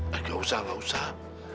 gak usah gak usah